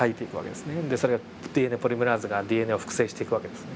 それをＤＮＡポリメラーゼがＤＮＡを複製していく訳ですね。